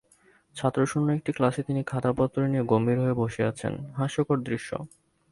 ছাত্রশূণ্য একটি ক্লাসে তিনি খাতাপত্র নিয়ে গম্ভীর হয়ে বসে আছেন-হাস্যকর দৃশ্য।